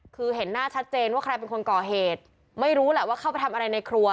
คือเห็นหน้าชัดเจนว่าใครเป็นคนก่อเหตุไม่รู้แหละว่าเข้าไปทำอะไรในครัว